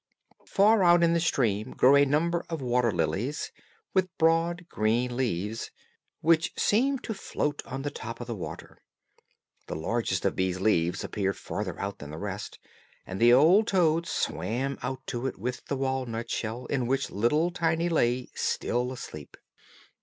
Far out in the stream grew a number of water lilies, with broad green leaves, which seemed to float on the top of the water. The largest of these leaves appeared farther off than the rest, and the old toad swam out to it with the walnut shell, in which little Tiny lay still asleep.